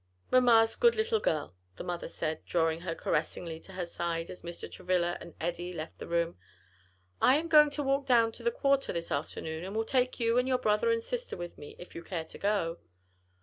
"Mamma's good little girl," the mother said, drawing her caressingly to her side, as Mr. Travilla and Eddie left the room. "I am going to walk down to the quarter this afternoon and will take you and your brother and sister with me, if you care to go."